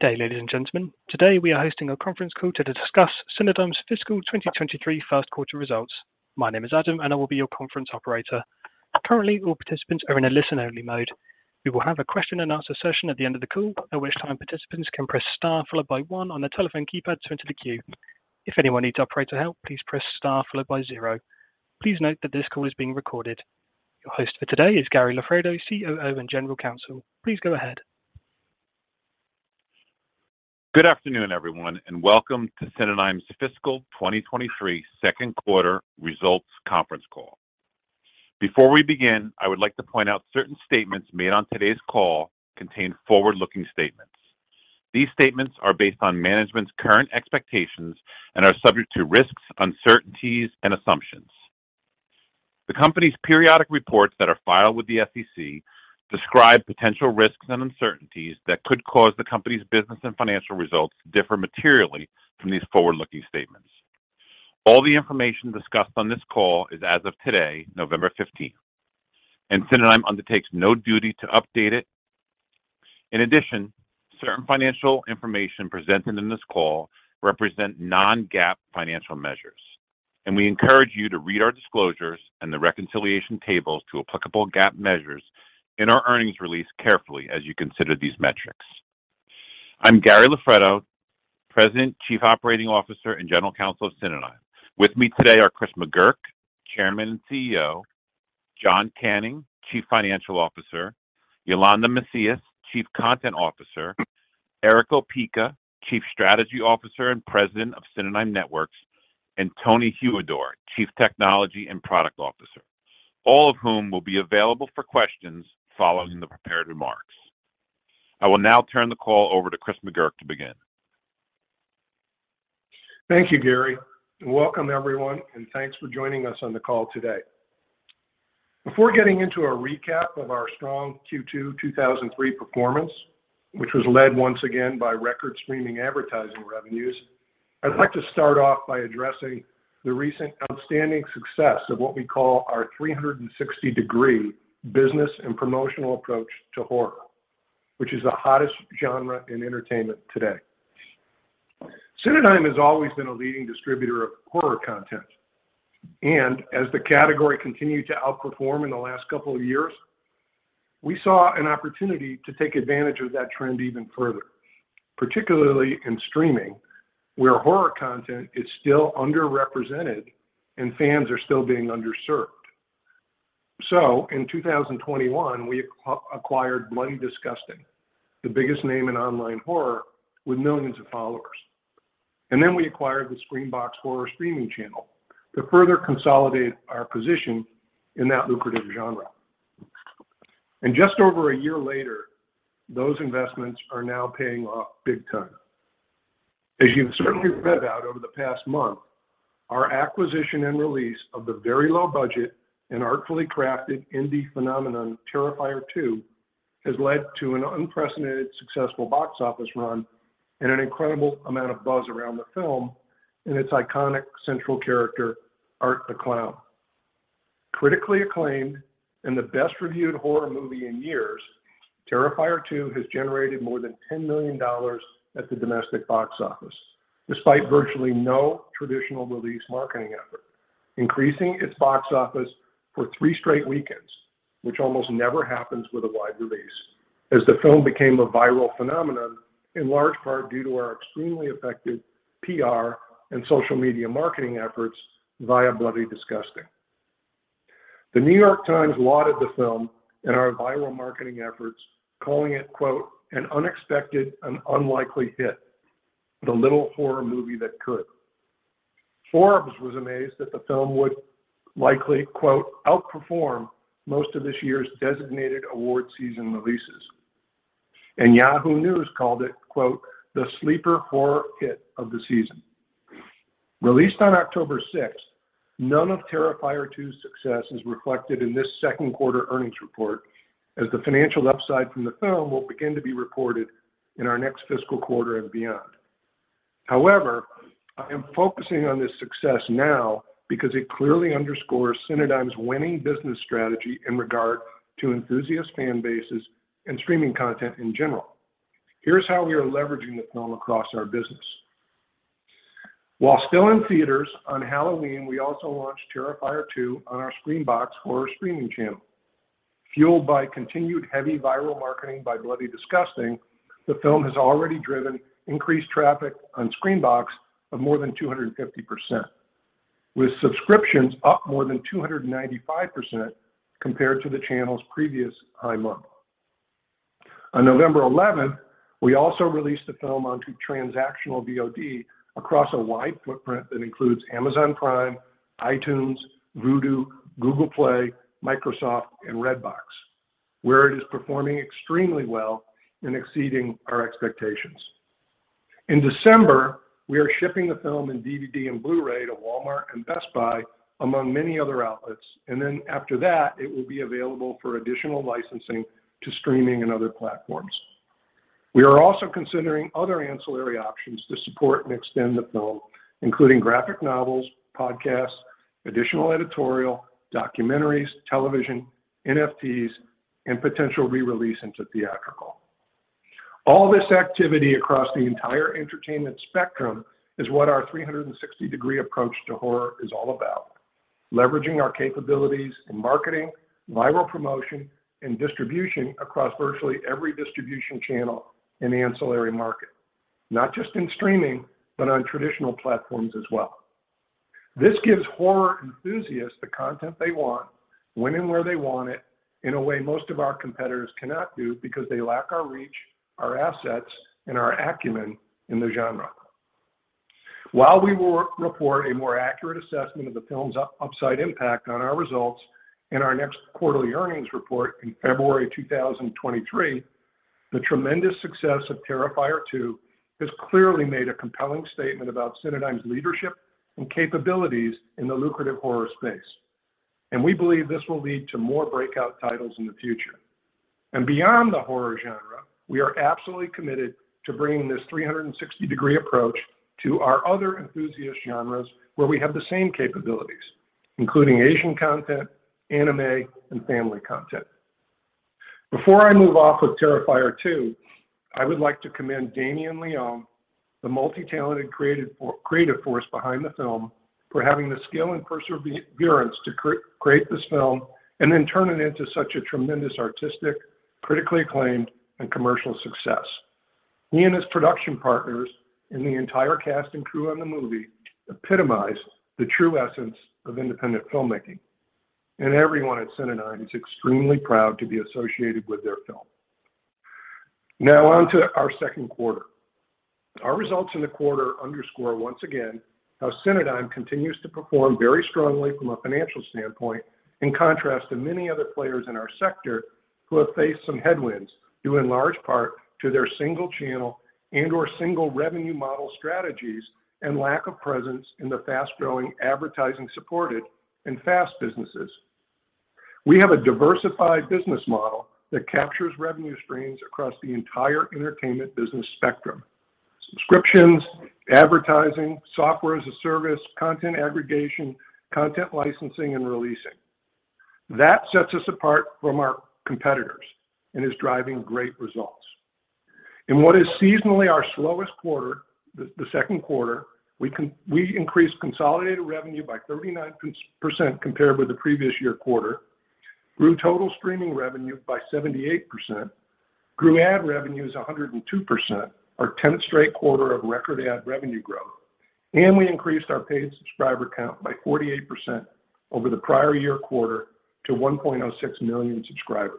Good day, ladies and gentlemen. Today, we are hosting a conference call to discuss Cinedigm's fiscal 2023 first quarter results. My name is Adam, and I will be your conference operator. Currently, all participants are in a listen-only mode. We will have a question and answer session at the end of the call, at which time participants can press star followed by one on their telephone keypad to enter the queue. If anyone needs operator help, please press star followed by zero. Please note that this call is being recorded. Your host for today is Gary Loffredo, COO and General Counsel. Please go ahead. Good afternoon, everyone, and welcome to Cineverse's fiscal 2023 second quarter results conference call. Before we begin, I would like to point out certain statements made on today's call contain forward-looking statements. These statements are based on management's current expectations and are subject to risks, uncertainties, and assumptions. The company's periodic reports that are filed with the SEC describe potential risks and uncertainties that could cause the company's business and financial results to differ materially from these forward-looking statements. All the information discussed on this call is as of today, November 15, and Cineverse undertakes no duty to update it. In addition, certain financial information presented in this call represent non-GAAP financial measures, and we encourage you to read our disclosures and the reconciliation tables to applicable GAAP measures in our earnings release carefully as you consider these metrics. I'm Gary Loffredo, President, Chief Operating Officer, and General Counsel of Cinedigm. With me today are Chris McGurk, Chairman and CEO, John Canning, Chief Financial Officer, Yolanda Macias, Chief Content Officer, Erick Opeka, Chief Strategy Officer and President of Cinedigm Networks, and Tony Huidor, Chief Technology and Product Officer, all of whom will be available for questions following the prepared remarks. I will now turn the call over to Chris McGurk to begin. Thank you, Gary. Welcome, everyone, and thanks for joining us on the call today. Before getting into a recap of our strong Q2 2023 performance, which was led once again by record streaming advertising revenues, I'd like to start off by addressing the recent outstanding success of what we call our 360-degree business and promotional approach to horror, which is the hottest genre in entertainment today. Cinedigm has always been a leading distributor of horror content. As the category continued to outperform in the last couple of years, we saw an opportunity to take advantage of that trend even further, particularly in streaming, where horror content is still underrepresented and fans are still being underserved. In 2021, we acquired Bloody Disgusting, the biggest name in online horror with millions of followers. Then we acquired the Screambox horror streaming channel to further consolidate our position in that lucrative genre. Just over a year later, those investments are now paying off big time. As you've certainly read about over the past month, our acquisition and release of the very low budget and artfully crafted indie phenomenon, Terrifier 2, has led to an unprecedented successful box office run and an incredible amount of buzz around the film and its iconic central character, Art the Clown. Critically acclaimed and the best-reviewed horror movie in years, Terrifier 2 has generated more than $10 million at the domestic box office, despite virtually no traditional release marketing effort, increasing its box office for three straight weekends, which almost never happens with a wide release. As the film became a viral phenomenon, in large part due to our extremely effective PR and social media marketing efforts via Bloody Disgusting. The New York Times lauded the film and our viral marketing efforts, calling it, quote, "an unexpected and unlikely hit, the little horror movie that could." Forbes was amazed that the film would likely, quote, "outperform most of this year's designated award season releases." Yahoo! News called it, quote, "the sleeper horror hit of the season." Released on October sixth, none of Terrifier 2's success is reflected in this second quarter earnings report as the financial upside from the film will begin to be reported in our next fiscal quarter and beyond. However, I am focusing on this success now because it clearly underscores Cinedigm's winning business strategy in regard to enthusiast fan bases and streaming content in general. Here's how we are leveraging the film across our business. While still in theaters on Halloween, we also launched Terrifier 2 on our Screambox horror streaming channel. Fueled by continued heavy viral marketing by Bloody Disgusting, the film has already driven increased traffic on Screambox of more than 250%, with subscriptions up more than 295% compared to the channel's previous high month. On November eleventh, we also released the film onto transactional VOD across a wide footprint that includes Amazon Prime, iTunes, Vudu, Google Play, Microsoft, and Redbox, where it is performing extremely well and exceeding our expectations. In December, we are shipping the film in DVD and Blu-ray to Walmart and Best Buy, among many other outlets. After that, it will be available for additional licensing to streaming and other platforms. We are also considering other ancillary options to support and extend the film, including graphic novels, podcasts, additional editorial, documentaries, television, NFTs, and potential re-release into theatrical. All this activity across the entire entertainment spectrum is what our 360-degree approach to horror is all about. Leveraging our capabilities in marketing, viral promotion, and distribution across virtually every distribution channel in the ancillary market, not just in streaming, but on traditional platforms as well. This gives horror enthusiasts the content they want, when and where they want it, in a way most of our competitors cannot do because they lack our reach, our assets, and our acumen in the genre. While we will report a more accurate assessment of the film's upside impact on our results in our next quarterly earnings report in February 2023, the tremendous success of Terrifier 2 has clearly made a compelling statement about Cinedigm's leadership and capabilities in the lucrative horror space. We believe this will lead to more breakout titles in the future. Beyond the horror genre, we are absolutely committed to bringing this 360-degree approach to our other enthusiast genres where we have the same capabilities, including Asian content, anime, and family content. Before I move off of Terrifier 2, I would like to commend Damien Leone, the multi-talented creative force behind the film, for having the skill and perseverance to create this film and then turn it into such a tremendous artistic, critically acclaimed, and commercial success. He and his production partners, and the entire cast and crew on the movie, epitomize the true essence of independent filmmaking. Everyone at Cinedigm is extremely proud to be associated with their film. Now on to our second quarter. Our results in the quarter underscore once again how Cinedigm continues to perform very strongly from a financial standpoint, in contrast to many other players in our sector who have faced some headwinds due in large part to their single channel and/or single revenue model strategies and lack of presence in the FAST-growing advertising-supported and FAST businesses. We have a diversified business model that captures revenue streams across the entire entertainment business spectrum. Subscriptions, advertising, software as a service, content aggregation, content licensing, and releasing. That sets us apart from our competitors and is driving great results. In what is seasonally our slowest quarter, the second quarter, we increased consolidated revenue by 39% compared with the previous year quarter, grew total streaming revenue by 78%, grew ad revenues 102%, our tenth straight quarter of record ad revenue growth, and we increased our paid subscriber count by 48% over the prior year quarter to 1.06 million subscribers.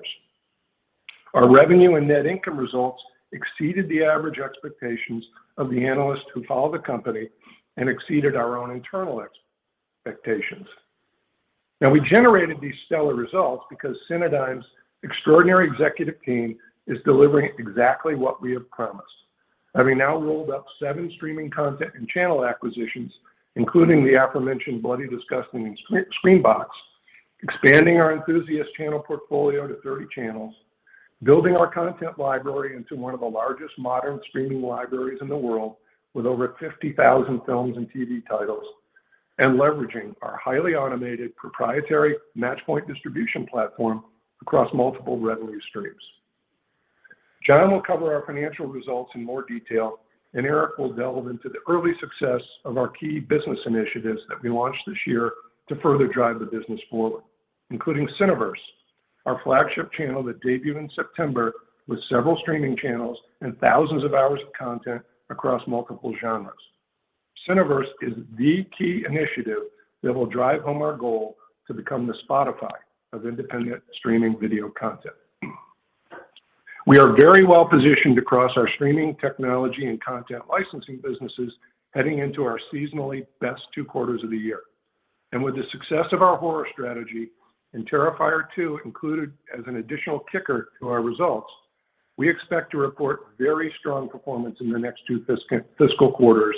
Our revenue and net income results exceeded the average expectations of the analysts who follow the company and exceeded our own internal expectations. Now we generated these stellar results because Cineverse's extraordinary executive team is delivering exactly what we have promised. Having now rolled up seven streaming content and channel acquisitions, including the aforementioned Bloody Disgusting and Screambox, expanding our enthusiast channel portfolio to 30 channels, building our content library into one of the largest modern streaming libraries in the world with over 50,000 films and TV titles, and leveraging our highly automated proprietary Matchpoint distribution platform across multiple revenue streams. John will cover our financial results in more detail, and Erick will delve into the early success of our key business initiatives that we launched this year to further drive the business forward, including Cineverse, our flagship channel that debuted in September with several streaming channels and thousands of hours of content across multiple genres. Cineverse is the key initiative that will drive home our goal to become the Spotify of independent streaming video content. We are very well-positioned across our streaming technology and content licensing businesses heading into our seasonally best two quarters of the year. With the success of our horror strategy, and Terrifier 2 included as an additional kicker to our results, we expect to report very strong performance in the next two fiscal quarters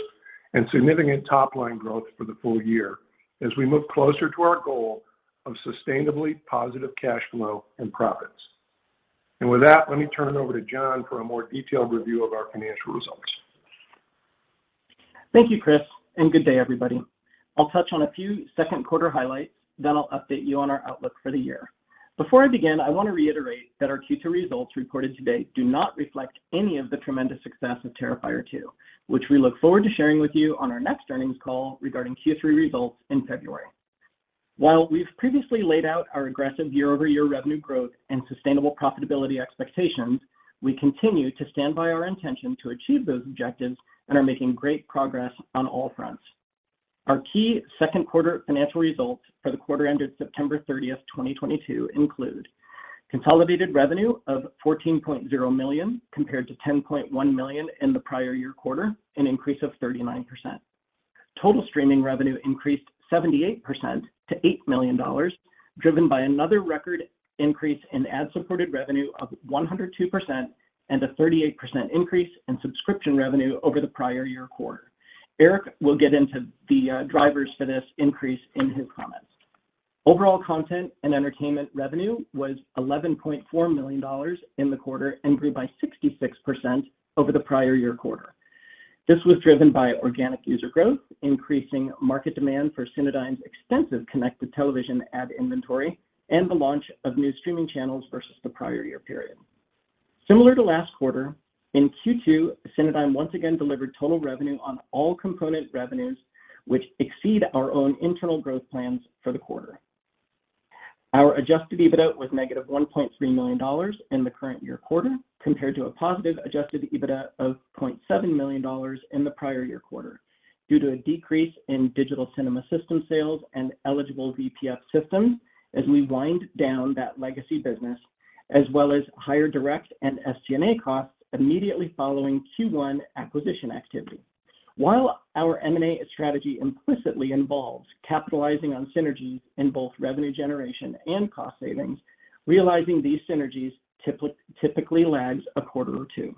and significant top-line growth for the full year as we move closer to our goal of sustainably positive cash flow and profits. With that, let me turn it over to John for a more detailed review of our financial results. Thank you, Chris, and good day, everybody. I'll touch on a few second quarter highlights, then I'll update you on our outlook for the year. Before I begin, I want to reiterate that our Q2 results reported today do not reflect any of the tremendous success of Terrifier 2, which we look forward to sharing with you on our next earnings call regarding Q3 results in February. While we've previously laid out our aggressive year-over-year revenue growth and sustainable profitability expectations, we continue to stand by our intention to achieve those objectives and are making great progress on all fronts. Our key second quarter financial results for the quarter ended September 30th, 2022 include consolidated revenue of $14.0 million compared to $10.1 million in the prior year quarter, an increase of 39%. Total streaming revenue increased 78% to $8 million, driven by another record increase in ad-supported revenue of 102% and a 38% increase in subscription revenue over the prior year quarter. Erick will get into the drivers for this increase in his comments. Overall content and entertainment revenue was $11.4 million in the quarter and grew by 66% over the prior year quarter. This was driven by organic user growth, increasing market demand for Cineverse's extensive connected television ad inventory, and the launch of new streaming channels versus the prior year period. Similar to last quarter, in Q2, Cineverse once again delivered total revenue on all component revenues which exceed our own internal growth plans for the quarter. Our Adjusted EBITDA was -$1.3 million in the current year quarter, compared to a positive Adjusted EBITDA of $0.7 million in the prior year quarter due to a decrease in digital cinema system sales and eligible VPF systems as we wind down that legacy business, as well as higher direct and SG&A costs immediately following Q1 acquisition activity. While our M&A strategy implicitly involves capitalizing on synergies in both revenue generation and cost savings, realizing these synergies typically lags a quarter or two.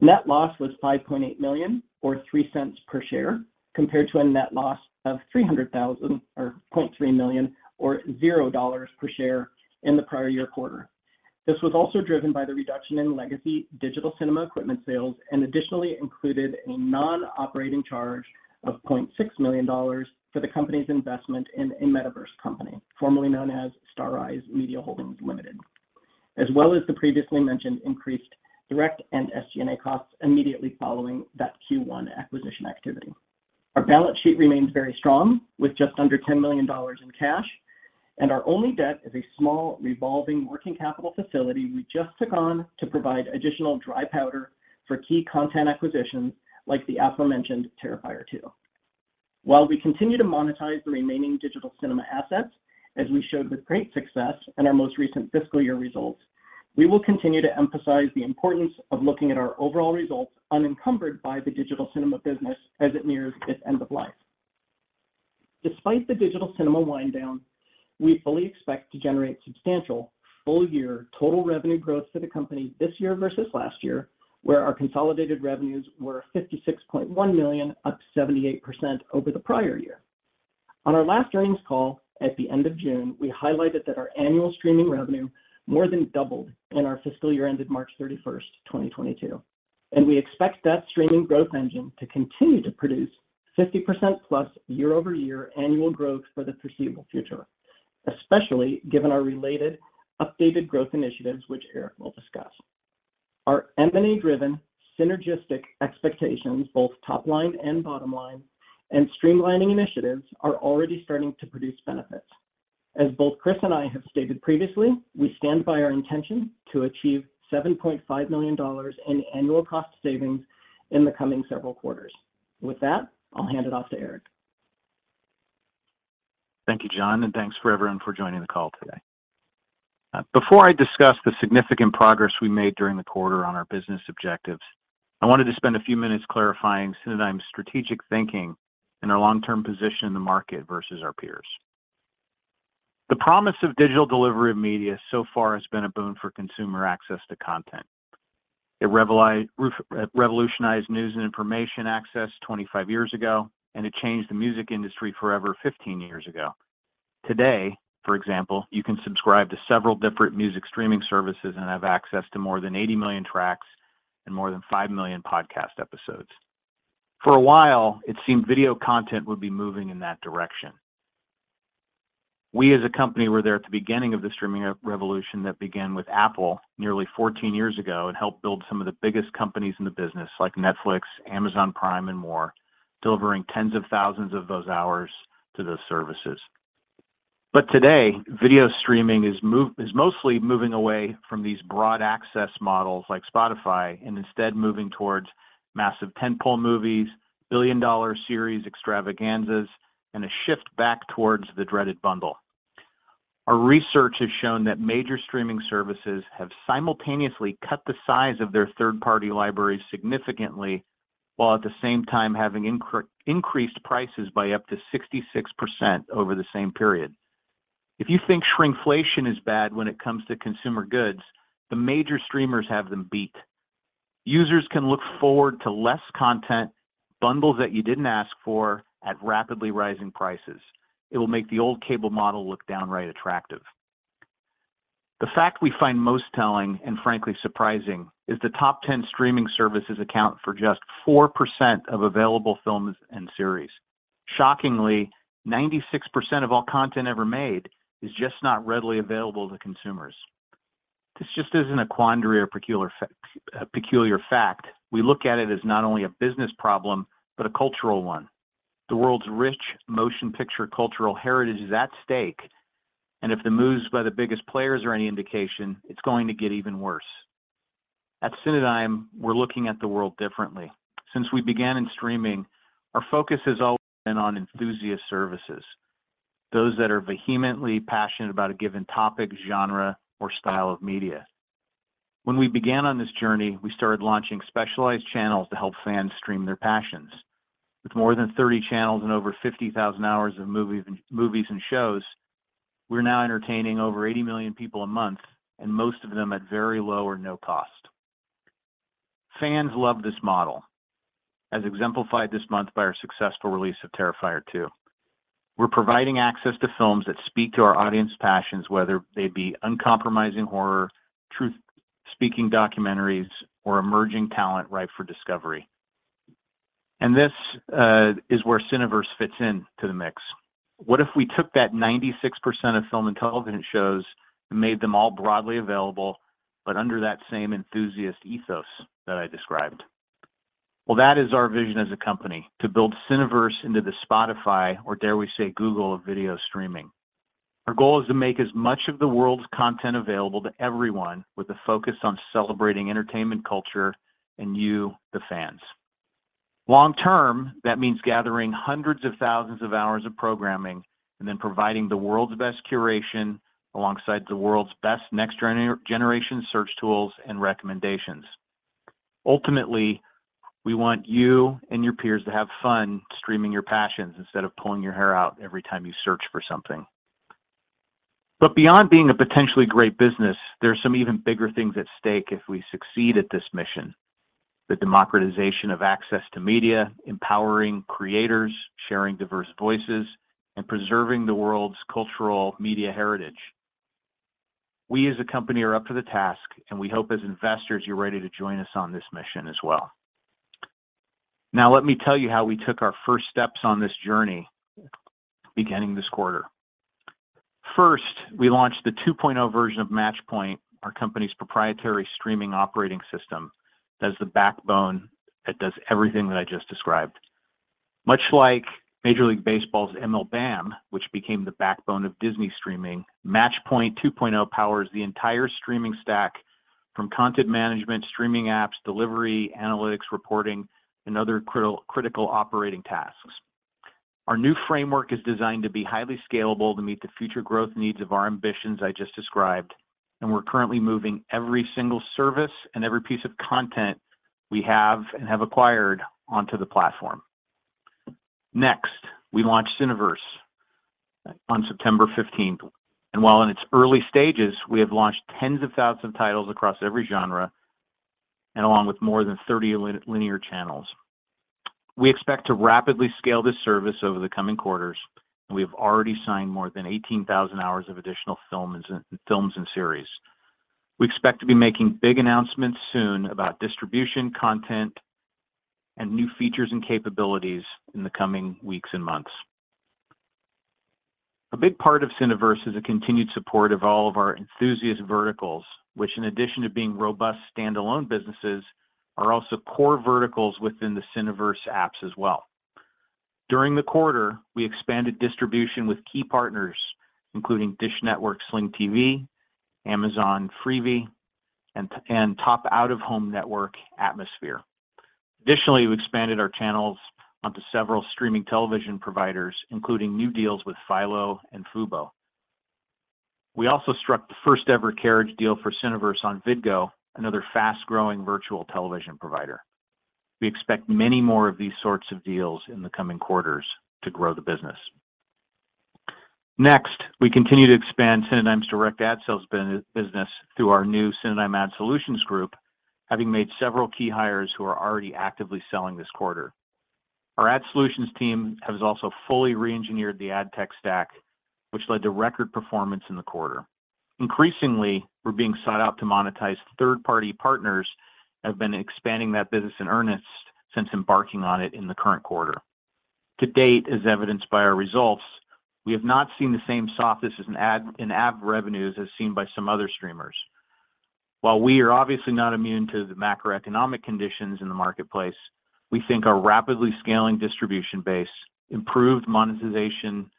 Net loss was $5.8 million or $0.03 per share, compared to a net loss of $300,000 or $0.3 million or $0 per share in the prior year quarter. This was also driven by the reduction in legacy digital cinema equipment sales and additionally included a non-operating charge of $0.6 million for the company's investment in A Metaverse Company, formerly known as Starrise Media Holdings Limited, as well as the previously mentioned increased direct and SG&A costs immediately following that Q1 acquisition activity. Our balance sheet remains very strong with just under $10 million in cash, and our only debt is a small revolving working capital facility we just took on to provide additional dry powder for key content acquisitions like the aforementioned Terrifier 2. While we continue to monetize the remaining digital cinema assets, as we showed with great success in our most recent fiscal year results, we will continue to emphasize the importance of looking at our overall results unencumbered by the digital cinema business as it nears its end of life. Despite the digital cinema wind down, we fully expect to generate substantial full-year total revenue growth for the company this year versus last year, where our consolidated revenues were $56.1 million, up 78% over the prior year. On our last earnings call at the end of June, we highlighted that our annual streaming revenue more than doubled in our fiscal year ended March 31st, 2022, and we expect that streaming growth engine to continue to produce 50%+ year-over-year annual growth for the foreseeable future, especially given our related updated growth initiatives, which Erick will discuss. Our M&A-driven synergistic expectations, both top line and bottom line, and streamlining initiatives are already starting to produce benefits. As both Chris and I have stated previously, we stand by our intention to achieve $7.5 million in annual cost savings in the coming several quarters. With that, I'll hand it off to Erick. Thank you, John, and thanks for everyone for joining the call today. Before I discuss the significant progress we made during the quarter on our business objectives, I wanted to spend a few minutes clarifying Cinedigm's strategic thinking and our long-term position in the market versus our peers. The promise of digital delivery of media so far has been a boon for consumer access to content. It revolutionized news and information access 25 years ago, and it changed the music industry forever 15 years ago. Today, for example, you can subscribe to several different music streaming services and have access to more than 80 million tracks and more than 5 million podcast episodes. For a while, it seemed video content would be moving in that direction. We as a company were there at the beginning of the streaming revolution that began with Apple nearly 14 years ago and helped build some of the biggest companies in the business like Netflix, Amazon Prime, and more, delivering tens of thousands of those hours to those services. Today, video streaming is mostly moving away from these broad access models like Spotify and instead moving towards massive tent-pole movies, billion-dollar series extravaganzas, and a shift back towards the dreaded bundle. Our research has shown that major streaming services have simultaneously cut the size of their third-party libraries significantly while at the same time having increased prices by up to 66% over the same period. If you think shrinkflation is bad when it comes to consumer goods, the major streamers have them beat. Users can look forward to less content, bundles that you didn't ask for at rapidly rising prices. It will make the old cable model look downright attractive. The fact we find most telling and frankly surprising is the top 10 streaming services account for just 4% of available films and series. Shockingly, 96% of all content ever made is just not readily available to consumers. This just isn't a quandary or peculiar fact. We look at it as not only a business problem but a cultural one. The world's rich motion picture cultural heritage is at stake, and if the moves by the biggest players are any indication, it's going to get even worse. At Cinedigm, we're looking at the world differently. Since we began in streaming, our focus has always been on enthusiast services, those that are vehemently passionate about a given topic, genre, or style of media. When we began on this journey, we started launching specialized channels to help fans stream their passions. With more than 30 channels and over 50,000 hours of movies and shows, we're now entertaining over 80 million people a month, and most of them at very low or no cost. Fans love this model, as exemplified this month by our successful release of Terrifier 2. We're providing access to films that speak to our audience passions, whether they be uncompromising horror, truth-speaking documentaries, or emerging talent ripe for discovery. This is where Cineverse fits into the mix. What if we took that 96% of film and television shows and made them all broadly available, but under that same enthusiast ethos that I described? Well, that is our vision as a company, to build Cineverse into the Spotify or dare we say Google of video streaming. Our goal is to make as much of the world's content available to everyone with a focus on celebrating entertainment culture and you, the fans. Long-term, that means gathering hundreds of thousands of hours of programming and then providing the world's best curation alongside the world's best next generation search tools and recommendations. Ultimately, we want you and your peers to have fun streaming your passions instead of pulling your hair out every time you search for something. Beyond being a potentially great business, there are some even bigger things at stake if we succeed at this mission. The democratization of access to media, empowering creators, sharing diverse voices, and preserving the world's cultural media heritage. We as a company are up to the task, and we hope as investors you're ready to join us on this mission as well. Now let me tell you how we took our first steps on this journey beginning this quarter. First, we launched the 2.0 version of Matchpoint, our company's proprietary streaming operating system, that is the backbone that does everything that I just described. Much like Major League Baseball's MLBAM, which became the backbone of Disney streaming, Matchpoint 2.0 powers the entire streaming stack from content management, streaming apps, delivery, analytics, reporting, and other critical operating tasks. Our new framework is designed to be highly scalable to meet the future growth needs of our ambitions I just described, and we're currently moving every single service and every piece of content we have and have acquired onto the platform. Next, we launched Cineverse on September fifteenth. While in its early stages, we have launched tens of thousands of titles across every genre and along with more than 30 linear channels. We expect to rapidly scale this service over the coming quarters, and we have already signed more than 18,000 hours of additional films and series. We expect to be making big announcements soon about distribution, content, and new features and capabilities in the coming weeks and months. A big part of Cineverse is a continued support of all of our enthusiast verticals, which in addition to being robust standalone businesses, are also core verticals within the Cineverse apps as well. During the quarter, we expanded distribution with key partners, including Dish Network, Sling TV, Amazon Freevee, and top out-of-home network Atmosphere. Additionally, we expanded our channels onto several streaming television providers, including new deals with Philo and Fubo. We also struck the first-ever carriage deal for Cineverse on Vidgo, another fast-growing virtual television provider. We expect many more of these sorts of deals in the coming quarters to grow the business. Next, we continue to expand Cinedigm's direct ad sales business through our new Cinedigm Ad Solutions group, having made several key hires who are already actively selling this quarter. Our ad solutions team has also fully reengineered the ad tech stack, which led to record performance in the quarter. Increasingly, we're being sought out to monetize third-party partners, have been expanding that business in earnest since embarking on it in the current quarter. To date, as evidenced by our results, we have not seen the same softness as in ad revenues as seen by some other streamers. While we are obviously not immune to the macroeconomic conditions in the marketplace, we think our rapidly scaling distribution base, improved monetization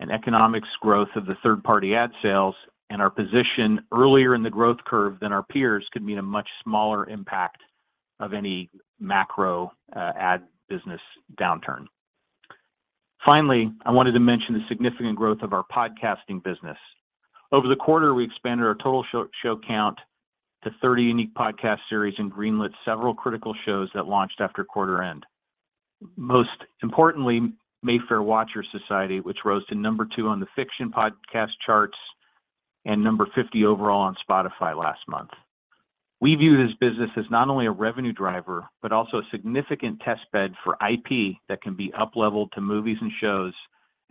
and economics growth of the third-party ad sales and our position earlier in the growth curve than our peers could mean a much smaller impact of any macro ad business downturn. Finally, I wanted to mention the significant growth of our podcasting business. Over the quarter, we expanded our total show count to 30 unique podcast series and greenlit several critical shows that launched after quarter end. Most importantly, Mayfair Watchers Society, which rose to number 2 on the fiction podcast charts and number 50 overall on Spotify last month. We view this business as not only a revenue driver, but also a significant test bed for IP that can be upleveled to movies and shows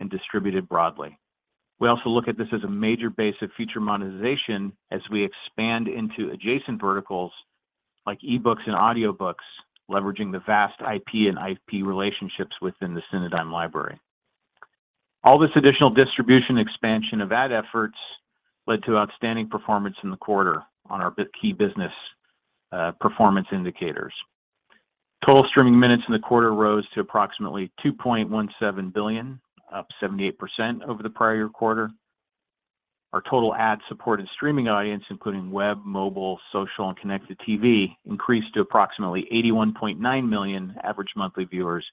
and distributed broadly. We also look at this as a major base of future monetization as we expand into adjacent verticals like e-books and audiobooks, leveraging the vast IP and IP relationships within the Cinedigm library. All this additional distribution expansion of ad efforts led to outstanding performance in the quarter on our key business performance indicators. Total streaming minutes in the quarter rose to approximately 2.17 billion, up 78% over the prior quarter. Our total ad-supported streaming audience, including web, mobile, social, and connected TV, increased to approximately 81.9 million average monthly viewers,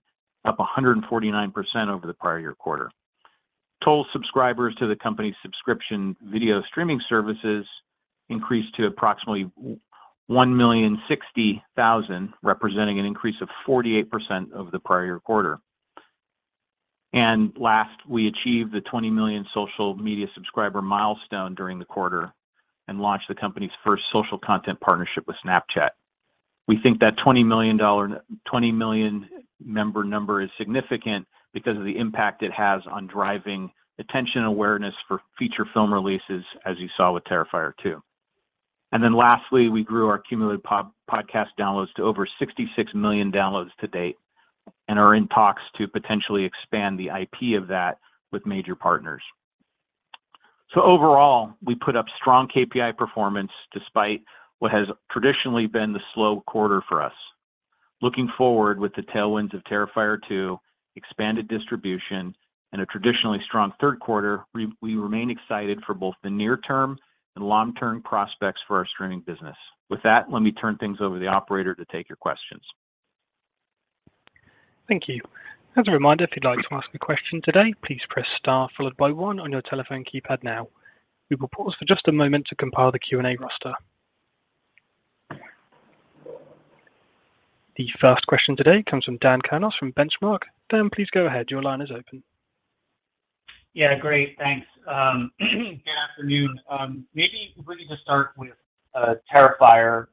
up 149% over the prior year quarter. Total subscribers to the company's subscription video streaming services increased to approximately 1.06 million, representing an increase of 48% over the prior quarter. Last, we achieved the 20 million social media subscriber milestone during the quarter and launched the company's first social content partnership with Snapchat. We think that 20 million member number is significant because of the impact it has on driving attention awareness for feature film releases, as you saw with Terrifier 2. Then lastly, we grew our cumulative podcast downloads to over 66 million downloads to date and are in talks to potentially expand the IP of that with major partners. Overall, we put up strong KPI performance despite what has traditionally been the slow quarter for us. Looking forward with the tailwinds of Terrifier 2, expanded distribution and a traditionally strong third quarter, we remain excited for both the near-term and long-term prospects for our streaming business. With that, let me turn things over to the operator to take your questions. Thank you. As a reminder, if you'd like to ask a question today, please press star followed by one on your telephone keypad now. We will pause for just a moment to compile the Q&A roster. The first question today comes from Dan Kurnos from Benchmark. Dan, please go ahead. Your line is open. Yeah, great. Thanks. Good afternoon. Maybe we can just start with Terrifier.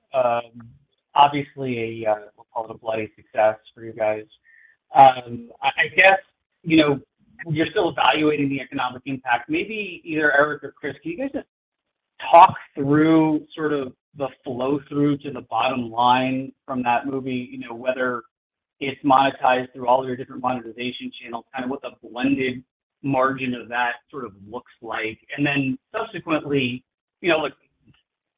Obviously, we'll call it a bloody success for you guys. I guess, you know, you're still evaluating the economic impact. Maybe either Erick or Chris, can you guys just talk through sort of the flow through to the bottom line from that movie, you know, whether it's monetized through all of your different monetization channels, kind of what the blended margin of that sort of looks like. Then subsequently, you know, look,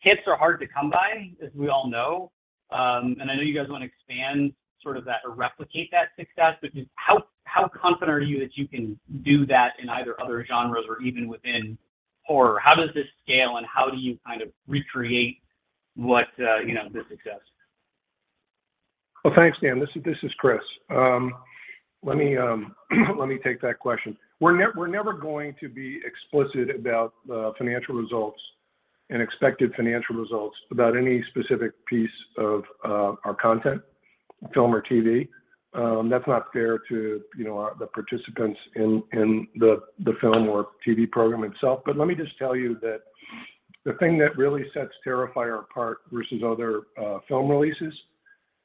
hits are hard to come by, as we all know, and I know you guys wanna expand sort of that or replicate that success. Just how confident are you that you can do that in either other genres or even within horror? How does this scale, and how do you kind of recreate what, you know, the success? Well, thanks, Dan. This is Chris. Let me take that question. We're never going to be explicit about the financial results and expected financial results about any specific piece of our content, film or TV. That's not fair to you know, our the participants in the film or TV program itself. But let me just tell you that the thing that really sets Terrifier apart versus other film releases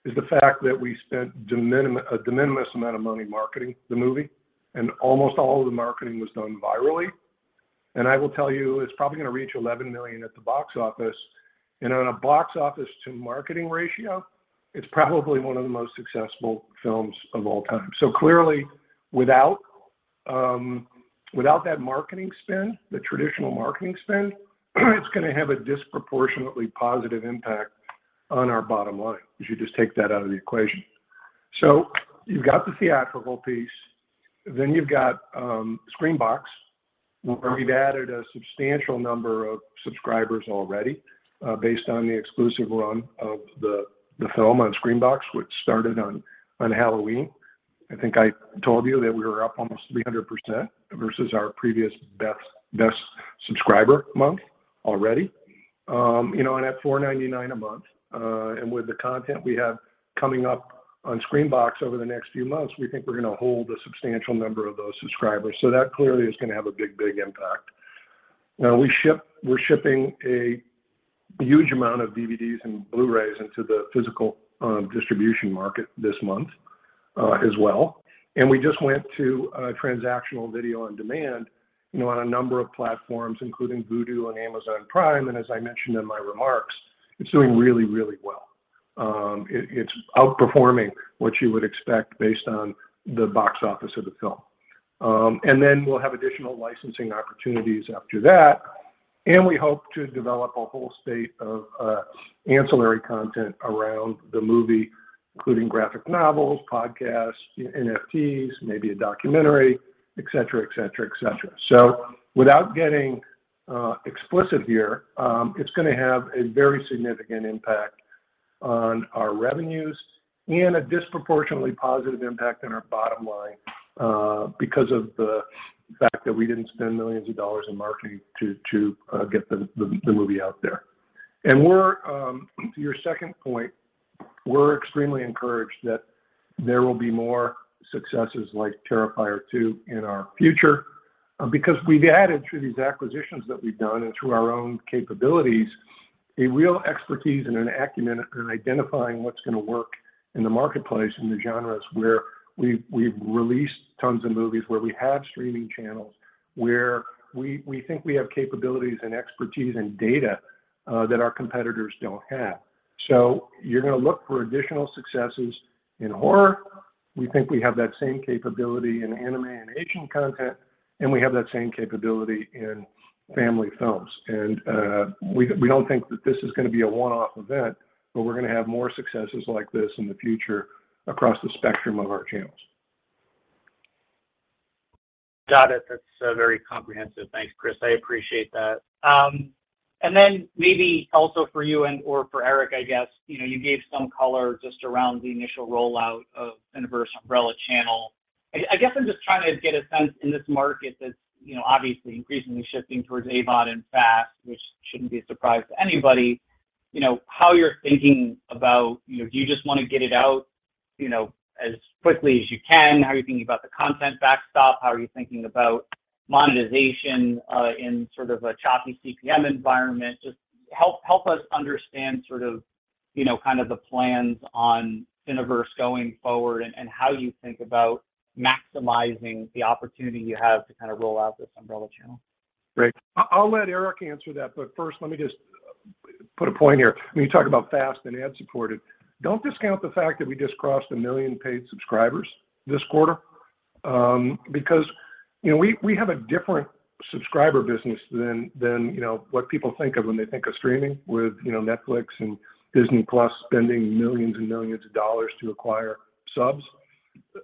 is the fact that we spent de minimis amount of money marketing the movie, and almost all of the marketing was done virally. I will tell you, it's probably gonna reach $11 million at the box office. On a box office to marketing ratio, it's probably one of the most successful films of all time. Clearly without that marketing spend, the traditional marketing spend, it's gonna have a disproportionately positive impact on our bottom line if you just take that out of the equation. You've got the theatrical piece, then you've got Screambox, where we've added a substantial number of subscribers already based on the exclusive run of the film on Screambox, which started on Halloween. I think I told you that we were up almost 300% versus our previous best subscriber month already. You know, and at $4.99 a month, and with the content we have coming up on Screambox over the next few months, we think we're gonna hold a substantial number of those subscribers. That clearly is gonna have a big impact. We're shipping a huge amount of DVDs and Blu-rays into the physical distribution market this month, as well. We just went to transactional video on demand, you know, on a number of platforms, including Vudu and Amazon Prime. As I mentioned in my remarks, it's doing really, really well. It's outperforming what you would expect based on the box office of the film. Then we'll have additional licensing opportunities after that, and we hope to develop a whole slate of ancillary content around the movie, including graphic novels, podcasts, NFTs, maybe a documentary, et cetera, et cetera, et cetera. Without getting explicit here, it's gonna have a very significant impact on our revenues and a disproportionately positive impact on our bottom line, because of the fact that we didn't spend millions of dollars in marketing to get the movie out there. To your second point, we're extremely encouraged that there will be more successes like Terrifier 2 in our future, because we've added through these acquisitions that we've done and through our own capabilities, a real expertise and an acumen in identifying what's gonna work in the marketplace, in the genres where we've released tons of movies, where we have streaming channels, where we think we have capabilities and expertise and data, that our competitors don't have. You're gonna look for additional successes in horror. We think we have that same capability in anime and Asian content, and we have that same capability in family films. We don't think that this is gonna be a one-off event, but we're gonna have more successes like this in the future across the spectrum of our channels. Got it. That's very comprehensive. Thanks, Chris. I appreciate that. Maybe also for you and or for Erick, I guess, you know, you gave some color just around the initial rollout of Universal Umbrella channel. I guess I'm just trying to get a sense in this market that's, you know, obviously increasingly shifting towards AVOD and FAST, which shouldn't be a surprise to anybody. You know, how you're thinking about, you know, do you just wanna get it out, you know, as quickly as you can? How are you thinking about the content backstop? How are you thinking about monetization in sort of a choppy CPM environment? Just help us understand sort of, you know, kind of the plans on Cineverse going forward and how you think about maximizing the opportunity you have to kind of roll out this umbrella channel. Great. I'll let Erick answer that, but first let me just put a point here. When you talk about FAST and ad-supported, don't discount the fact that we just crossed 1 million paid subscribers this quarter, because, you know, we have a different subscriber business than, you know, what people think of when they think of streaming with, you know, Netflix and Disney Plus spending millions and millions of dollars to acquire subs.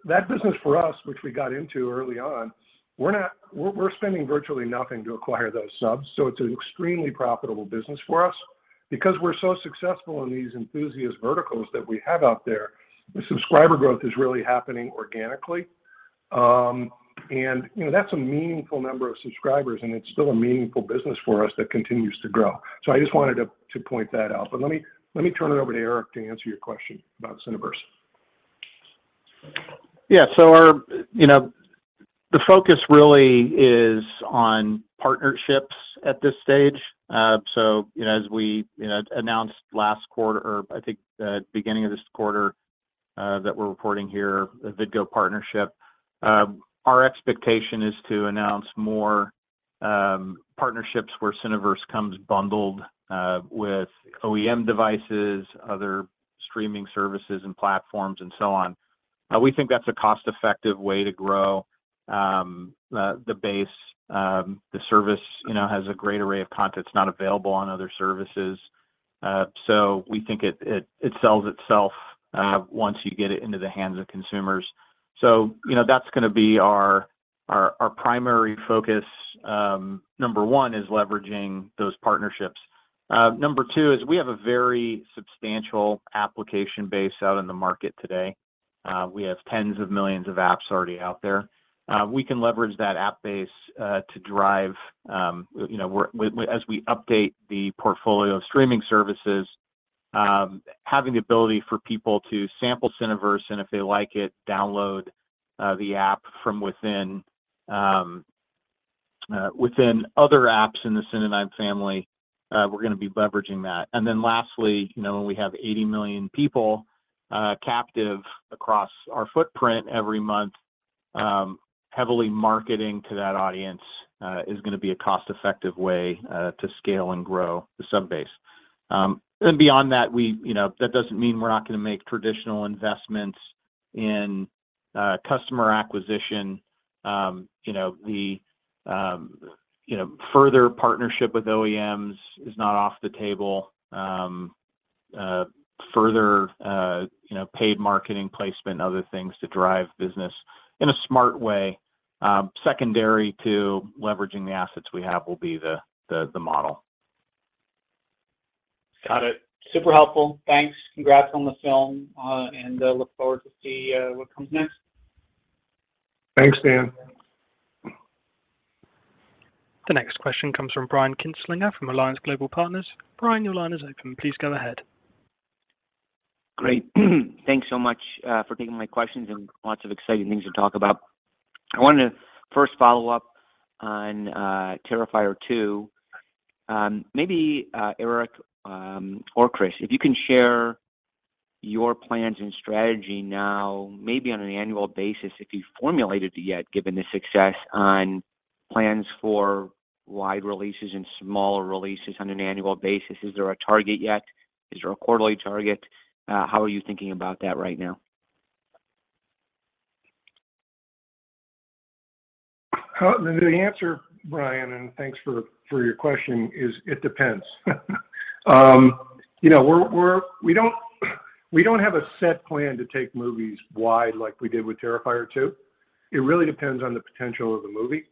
That business for us, which we got into early on, we're spending virtually nothing to acquire those subs, so it's an extremely profitable business for us. Because we're so successful in these enthusiast verticals that we have out there, the subscriber growth is really happening organically. You know, that's a meaningful number of subscribers, and it's still a meaningful business for us that continues to grow. I just wanted to point that out. Let me turn it over to Erick to answer your question about Cineverse. Yeah. Our, you know, the focus really is on partnerships at this stage. As we, you know, announced last quarter or I think the beginning of this quarter that we're reporting here, the Vidgo partnership, our expectation is to announce more partnerships where Cineverse comes bundled with OEM devices, other streaming services and platforms and so on. We think that's a cost-effective way to grow the base. The service, you know, has a great array of content that's not available on other services. We think it sells itself once you get it into the hands of consumers. You know, that's gonna be our primary focus. Number one is leveraging those partnerships. Number two is we have a very substantial application base out in the market today. We have tens of millions of apps already out there. We can leverage that app base to drive, you know, as we update the portfolio of streaming services, having the ability for people to sample Cineverse, and if they like it, download the app from within other apps in the Cinedigm family. We're gonna be leveraging that. Lastly, you know, when we have 80 million people captive across our footprint every month, heavily marketing to that audience is gonna be a cost-effective way to scale and grow the sub base. Beyond that, you know, that doesn't mean we're not gonna make traditional investments in customer acquisition. You know, the further partnership with OEMs is not off the table. Further, you know, paid marketing placement, other things to drive business in a smart way, secondary to leveraging the assets we have will be the model. Got it. Super helpful. Thanks. Congrats on the film, and look forward to see what comes next. Thanks, Dan. The next question comes from Brian Kinstlinger from Alliance Global Partners. Brian, your line is open. Please go ahead. Great. Thanks so much for taking my questions and lots of exciting things to talk about. I wanted to first follow up on Terrifier 2. Maybe, Erick, or Chris, if you can share your plans and strategy now, maybe on an annual basis, if you formulated it yet, given the success on plans for wide releases and smaller releases on an annual basis. Is there a target yet? Is there a quarterly target? How are you thinking about that right now? The answer, Brian, and thanks for your question, is it depends. You know, we don't have a set plan to take movies wide like we did with Terrifier 2. It really depends on the potential of the movie.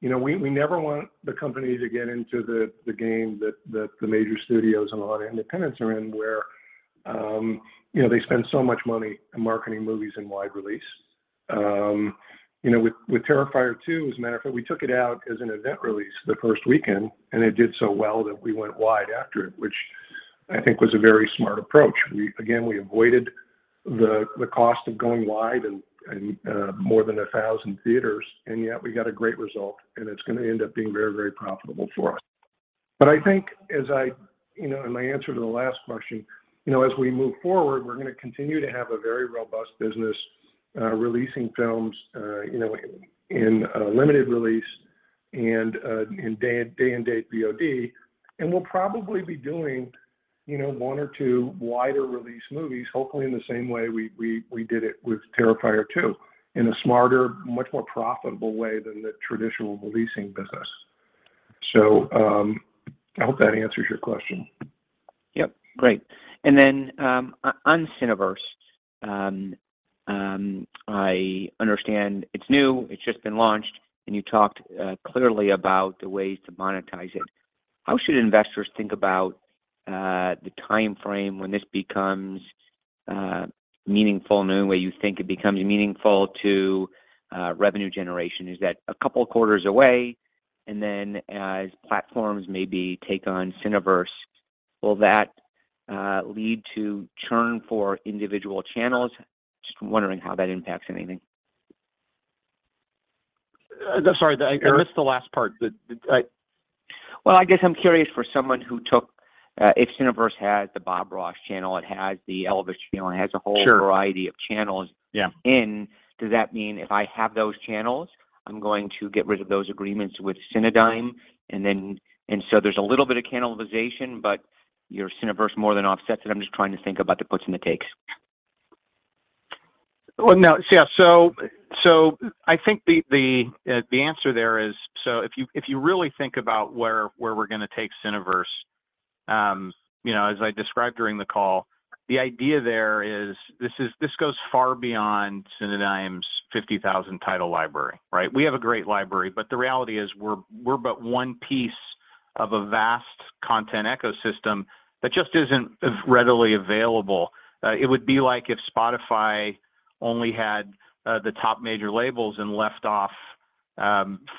You know, we never want the company to get into the game that the major studios and a lot of independents are in, where you know, they spend so much money on marketing movies in wide release. You know, with Terrifier 2, as a matter of fact, we took it out as an event release the first weekend, and it did so well that we went wide after it, which I think was a very smart approach. Again, we avoided the cost of going wide and more than 1,000 theaters, and yet we got a great result, and it's gonna end up being very, very profitable for us. I think as I you know, in my answer to the last question, you know, as we move forward, we're gonna continue to have a very robust business releasing films you know, in limited release and in day-and-date VOD. We'll probably be doing you know, one or two wider release movies, hopefully in the same way we did it with Terrifier 2, in a smarter, much more profitable way than the traditional releasing business. I hope that answers your question. Yep. Great. On Cineverse, I understand it's new, it's just been launched, and you talked clearly about the ways to monetize it. How should investors think about the timeframe when this becomes meaningful in a way you think it becomes meaningful to revenue generation. Is that a couple of quarters away? As platforms maybe take on Cineverse, will that lead to churn for individual channels? Just wondering how that impacts anything. Sorry, I missed the last part. Well, I guess I'm curious for someone who took if Cineverse has the Bob Ross channel, it has the Elvis channel, it has a whole variety of channels. In, does that mean if I have those channels, I'm going to get rid of those agreements with Cinedigm and so there's a little bit of cannibalization, but your Cineverse more than offsets it. I'm just trying to think about the puts and the takes. Well, no. I think the answer there is, if you really think about where we're gonna take Cineverse, you know, as I described during the call, the idea there is this is. This goes far beyond Cinedigm's 50,000 title library, right? We have a great library, but the reality is we're but one piece of a vast content ecosystem that just isn't as readily available. It would be like if Spotify only had the top major labels and left off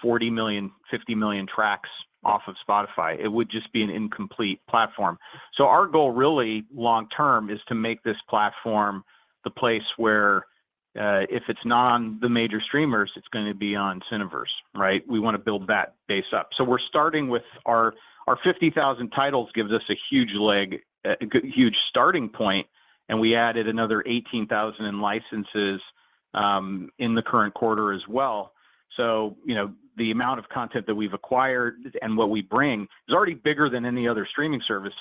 40 million, 50 million tracks off of Spotify. It would just be an incomplete platform. Our goal really long term is to make this platform the place where, if it's not on the major streamers, it's gonna be on Cineverse, right? We wanna build that base up. We're starting with our 50,000 titles, which gives us a huge leg up, a huge starting point, and we added another 18,000 in licenses in the current quarter as well. You know, the amount of content that we've acquired and what we bring is already bigger than any other streaming service.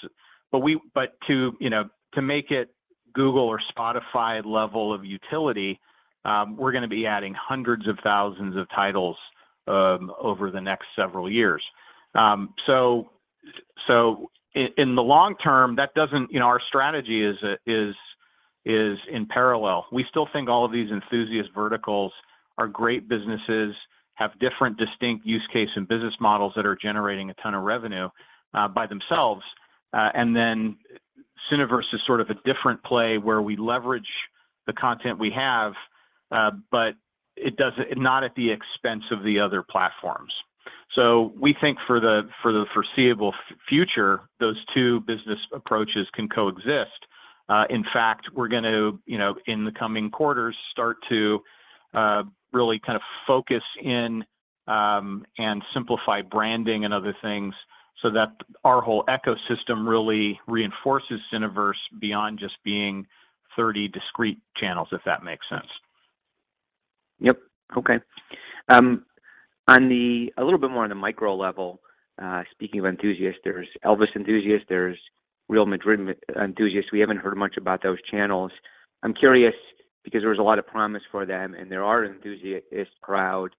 To make it Google or Spotify level of utility, we're gonna be adding hundreds of thousands of titles over the next several years. In the long term, that doesn't matter. You know, our strategy is in parallel. We still think all of these enthusiast verticals are great businesses, have different distinct use cases and business models that are generating a ton of revenue by themselves. Cineverse is sort of a different play where we leverage the content we have, but it doesn't, not at the expense of the other platforms. We think for the foreseeable future, those two business approaches can coexist. In fact, we're gonna, you know, in the coming quarters, start to really kind of focus in and simplify branding and other things so that our whole ecosystem really reinforces Cineverse beyond just being 30 discrete channels, if that makes sense. Yep. Okay. A little bit more on the micro level, speaking of enthusiasts, there's Elvis enthusiasts, there's Real Madrid enthusiasts. We haven't heard much about those channels. I'm curious because there was a lot of promise for them, and there are enthusiast crowd.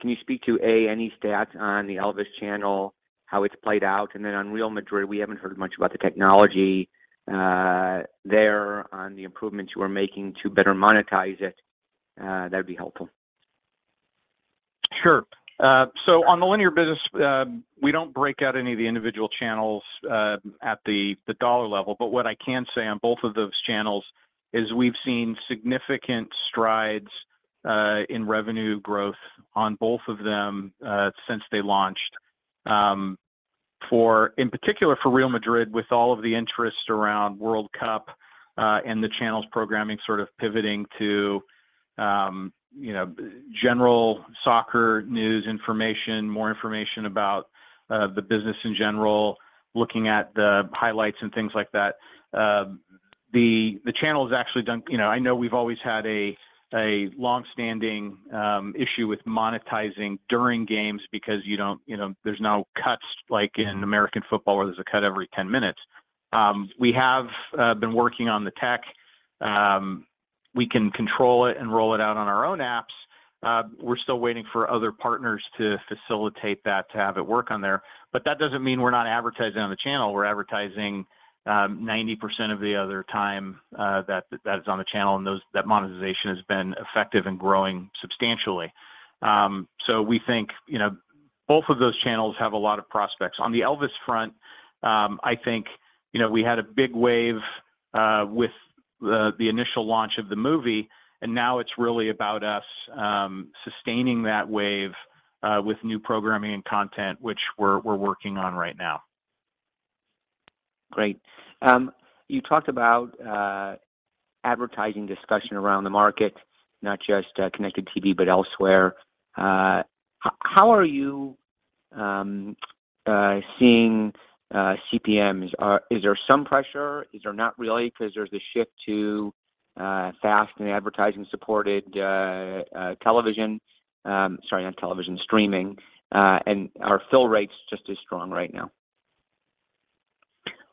Can you speak to, A, any stats on the Elvis channel, how it's played out? On Real Madrid, we haven't heard much about the technology there on the improvements you are making to better monetize it. That'd be helpful. Sure, so on the linear business, we don't break out any of the individual channels at the dollar level. What I can say on both of those channels is we've seen significant strides in revenue growth on both of them since they launched. In particular for Real Madrid, with all of the interest around World Cup, and the channel's programming sort of pivoting to, you know, general soccer news information, more information about the business in general, looking at the highlights and things like that. The channel has actually done you know, I know we've always had a long-standing issue with monetizing during games because you know, there's no cuts like in American football where there's a cut every 10 minutes. We have been working on the tech. We can control it and roll it out on our own apps. We're still waiting for other partners to facilitate that to have it work on there. That doesn't mean we're not advertising on the channel. We're advertising 90% of the other time that is on the channel, and that monetization has been effective and growing substantially. We think, you know, both of those channels have a lot of prospects. On the Elvis front, I think, you know, we had a big wave with the initial launch of the movie, and now it's really about us sustaining that wave with new programming and content, which we're working on right now. Great. You talked about advertising discussion around the market, not just connected TV, but elsewhere. How are you seeing CPMs? Is there some pressure? Is there not really 'cause there's a shift to FAST and advertising-supported television, sorry, not television, streaming, and are fill rates just as strong right now?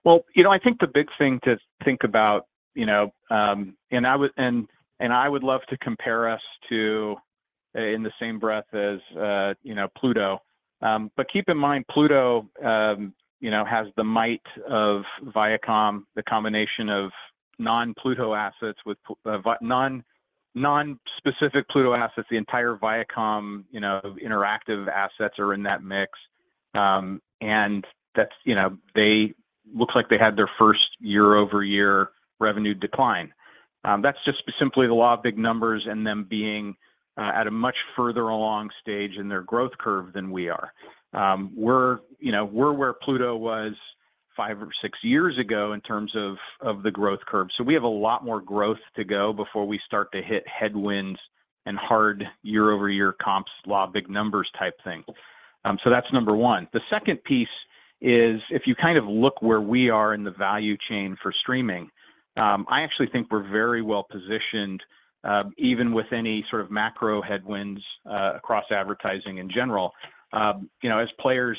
Well, you know, I think the big thing to think about, you know, and I would love to compare us to, you know, Pluto. But keep in mind, Pluto, you know, has the might of Viacom, the combination of non-Pluto assets with non-specific Pluto assets. The entire Viacom, you know, interactive assets are in that mix. That's, you know, looks like they had their first year-over-year revenue decline. That's just simply the law of big numbers and them being at a much further along stage in their growth curve than we are. We're, you know, where Pluto was five or six years ago in terms of the growth curve. We have a lot more growth to go before we start to hit headwinds and hard year-over-year comps like big numbers type thing. That's number one. The second piece is if you kind of look where we are in the value chain for streaming, I actually think we're very well positioned, even with any sort of macro headwinds, across advertising in general. You know, as players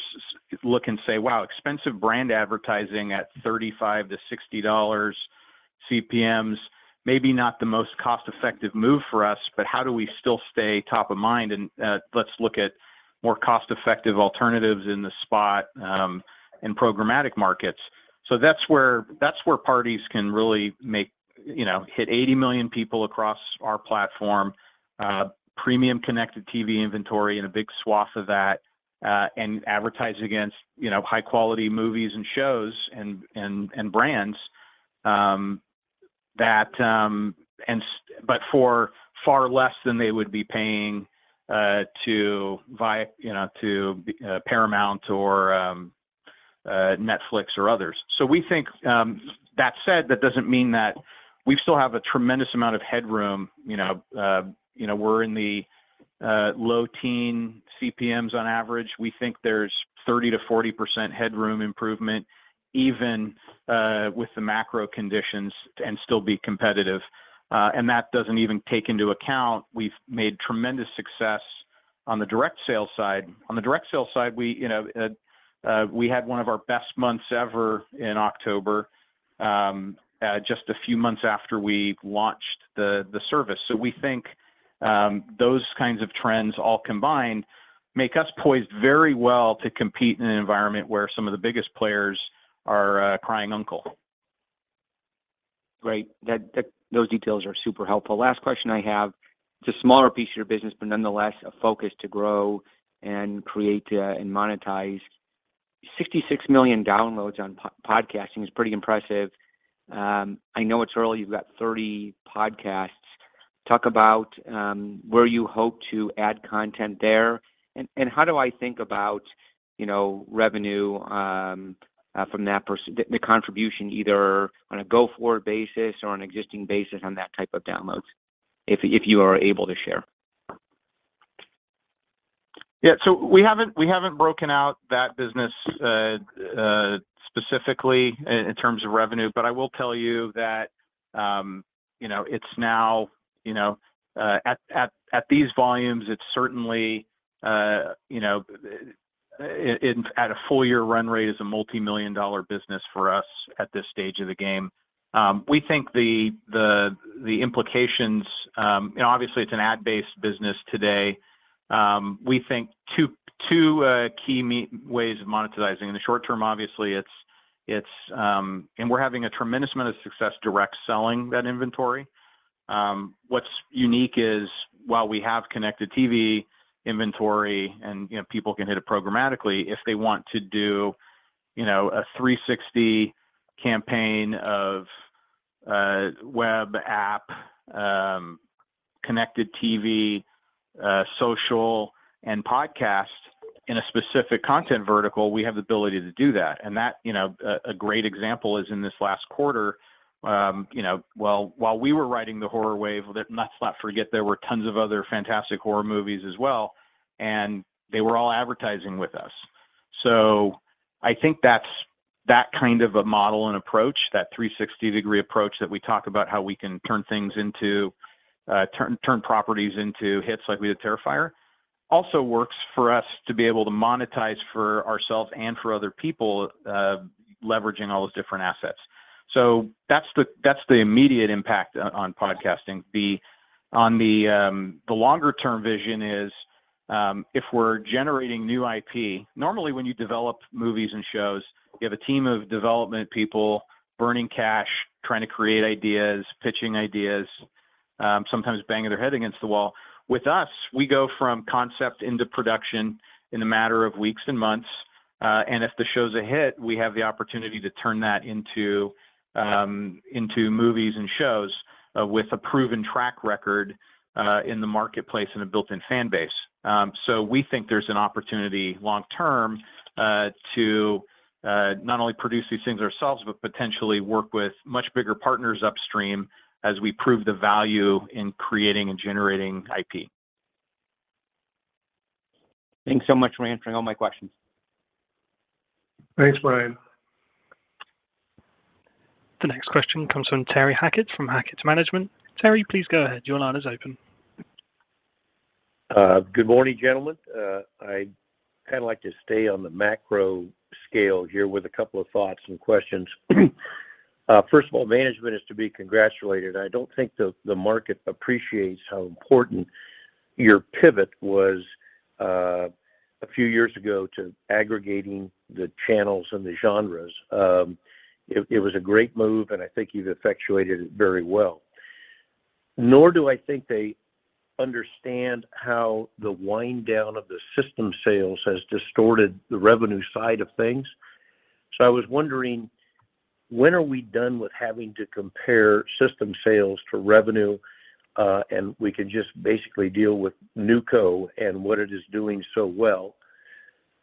look and say, "Wow, expensive brand advertising at $35-$60 CPMs, maybe not the most cost-effective move for us, but how do we still stay top of mind? Let's look at more cost-effective alternatives in the spot in programmatic markets. That's where parties can really make, you know, hit 80 million people across our platform, premium connected TV inventory and a big swath of that and advertise against, you know, high-quality movies and shows and brands for far less than they would be paying to Viacom, you know, to Paramount or Netflix or others. We think that said, that doesn't mean that we still have a tremendous amount of headroom, you know. We're in the low-teens CPMs on average. We think there's 30%-40% headroom improvement, even with the macro conditions and still be competitive. That doesn't even take into account we've made tremendous success on the direct sales side. On the direct sales side, we, you know, we had one of our best months ever in October, just a few months after we launched the service. We think those kinds of trends all combined make us poised very well to compete in an environment where some of the biggest players are crying uncle. Great. That those details are super helpful. Last question I have, it's a smaller piece of your business, but nonetheless a focus to grow and create, and monetize. 66 million downloads on podcasting is pretty impressive. I know it's early. You've got 30 podcasts. Talk about where you hope to add content there. How do I think about, you know, revenue from that the contribution either on a go-forward basis or an existing basis on that type of downloads, if you are able to share? Yeah. We haven't broken out that business specifically in terms of revenue, but I will tell you that, you know, it's now at these volumes, it's certainly at a full year run rate a multimillion dollar business for us at this stage of the game. We think the implications, you know, obviously it's an ad-based business today. We think two key ways of monetizing. In the short term, obviously, it's. We're having a tremendous amount of success direct selling that inventory. What's unique is while we have connected TV inventory and, you know, people can hit it programmatically, if they want to do, you know, a 360 campaign of web app, connected TV, social and podcast in a specific content vertical, we have the ability to do that. That, you know, a great example is in this last quarter, you know, while we were riding the horror wave, let's not forget there were tons of other fantastic horror movies as well, and they were all advertising with us. I think that's that kind of a model and approach, that 360-degree approach that we talk about how we can turn things into turn properties into hits like we did Terrifier, also works for us to be able to monetize for ourselves and for other people, leveraging all those different assets. That's the immediate impact on podcasting. On the longer term vision is, if we're generating new IP, normally when you develop movies and shows, you have a team of development people burning cash, trying to create ideas, pitching ideas, sometimes banging their head against the wall. With us, we go from concept into production in a matter of weeks and months. If the show's a hit, we have the opportunity to turn that into movies and shows with a proven track record in the marketplace and a built-in fan base. We think there's an opportunity long term to not only produce these things ourselves, but potentially work with much bigger partners upstream as we prove the value in creating and generating IP. Thanks so much for answering all my questions. Thanks, Brian. The next question comes from Terry Hackett from Hackett Management. Terry, please go ahead. Your line is open. Good morning, gentlemen. I'd kinda like to stay on the macro scale here with a couple of thoughts and questions. First of all, management is to be congratulated. I don't think the market appreciates how important your pivot was, a few years ago to aggregating the channels and the genres. It was a great move, and I think you've effectuated it very well. Nor do I think they understand how the wind down of the system sales has distorted the revenue side of things. I was wondering when are we done with having to compare system sales to revenue, and we can just basically deal with NewCo and what it is doing so well?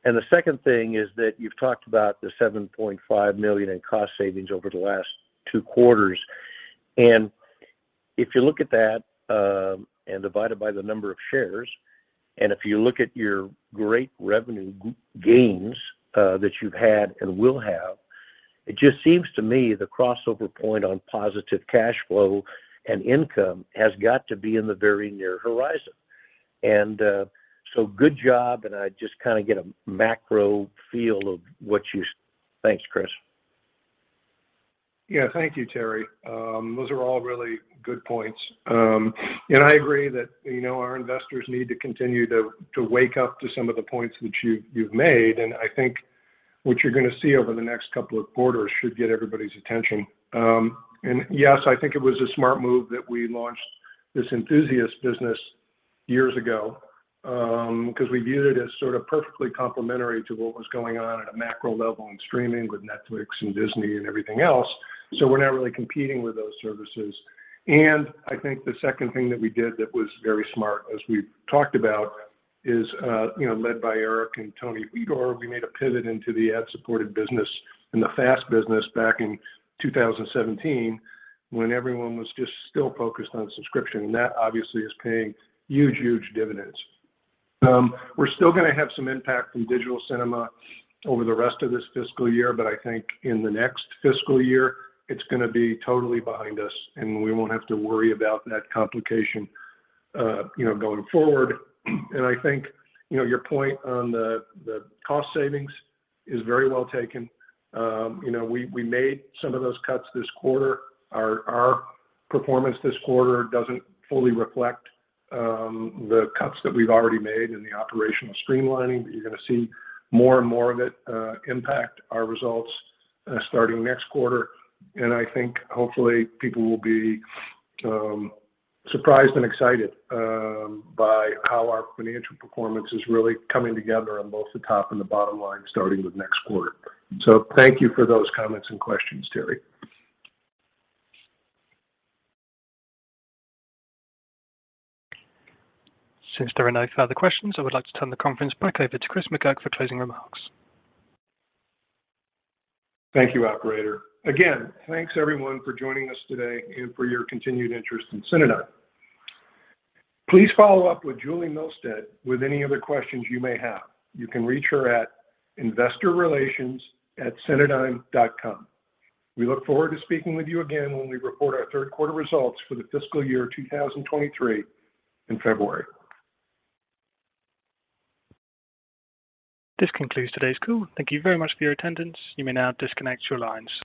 The second thing is that you've talked about the $7.5 million in cost savings over the last two quarters. If you look at that, and divide it by the number of shares, and if you look at your great revenue gains that you've had and will have, it just seems to me the crossover point on positive cash flow and income has got to be in the very near horizon. Good job, and I just kinda get a macro feel of what you. Thanks, Chris. Yeah. Thank you, Terry. Those are all really good points. I agree that, you know, our investors need to continue to wake up to some of the points that you've made, and I think what you're gonna see over the next couple of quarters should get everybody's attention. Yes, I think it was a smart move that we launched this enthusiast business years ago, 'cause we viewed it as sort of perfectly complementary to what was going on at a macro level in streaming with Netflix and Disney and everything else, so we're not really competing with those services. I think the second thing that we did that was very smart, as we've talked about, is, you know, led by Erick and Tony Huidor, we made a pivot into the ad-supported business and the FAST business back in 2017 when everyone was just still focused on subscription. That obviously is paying huge, huge dividends. We're still gonna have some impact from digital cinema over the rest of this fiscal year, but I think in the next fiscal year it's gonna be totally behind us, and we won't have to worry about that complication, you know, going forward. I think, you know, your point on the cost savings is very well taken. You know, we made some of those cuts this quarter. Our performance this quarter doesn't fully reflect the cuts that we've already made in the operational streamlining, but you're gonna see more and more of it impact our results starting next quarter. I think hopefully people will be surprised and excited by how our financial performance is really coming together on both the top and the bottom line starting with next quarter. Thank you for those comments and questions, Terry. Since there are no further questions, I would like to turn the conference back over to Chris McGurk for closing remarks. Thank you, operator. Again, thanks everyone for joining us today and for your continued interest in Cinedigm. Please follow up with Julie Milstead with any other questions you may have. You can reach her at investorrelations@cineverse.com. We look forward to speaking with you again when we report our third quarter results for the fiscal year 2023 in February. This concludes today's call. Thank you very much for your attendance. You may now disconnect your lines.